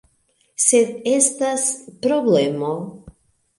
Sed estas... problemo: